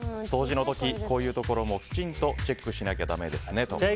掃除の時こういうところも、きちんとチェックしなきゃだめですねと。